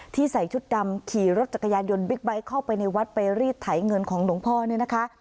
ใส่ชุดดำขี่รถจักรยานยนต์บิ๊กไบท์เข้าไปในวัดไปรีดไถเงินของหลวงพ่อเนี่ยนะคะ